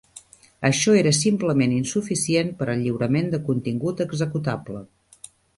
Això era simplement insuficient per al lliurament de contingut executable.